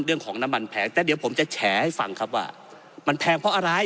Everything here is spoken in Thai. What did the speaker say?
เรื่องของน้ำมันแพงแต่เดี๋ยวผมจะแฉให้ฟังครับว่ามันแพงเพราะอะไร